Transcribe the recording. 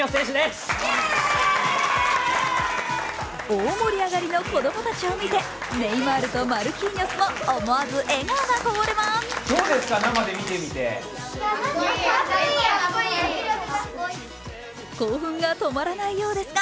大盛り上がりの子供たちを見てネイマールとマルキーニョスも思わず笑顔がこぼれます。